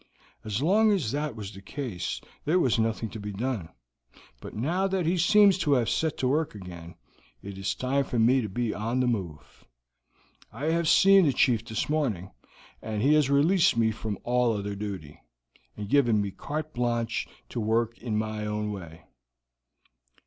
As long as that was the case, there was nothing to be done; but now that he seems to have set to work again, it is time for me to be on the move. I have seen the chief this morning, and he has released me from all other' duty, and given me carte blanche to work in my own way."